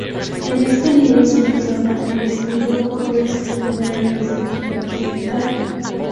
En este libro se menciona el estribo por vez primera en la literatura occidental.